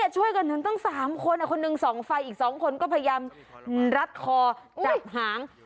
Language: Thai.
ช่วยกันถึงตั้ง๓คนคนหนึ่งส่องไฟอีก๒คนก็พยายามรัดคอจับหาง